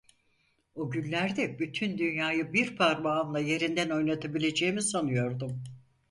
O günlerde bütün dünyayı bir parmağımla yerinden oynatabileceğimi sanıyordum.